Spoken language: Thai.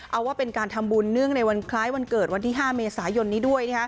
เอาว่าเป็นการทำบุญเนื่องในวันคล้ายวันเกิดวันที่๕เมษายนนี้ด้วย